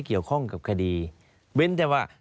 เกี่ยวข้องกับคดีเว้นแต่ว่า